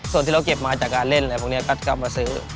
ส่วนที่เราเก็บมาจากการเล่นอะไรพวกนี้ก็กลับมาซื้อ